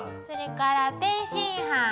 それから天津飯。